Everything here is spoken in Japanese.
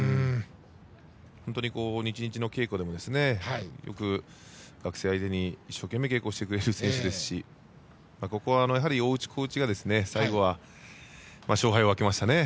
本当に、日々の稽古でもよく学生相手に一生懸命稽古をしてくれる選手ですしここは大内、小内が最後は勝敗を分けましたね。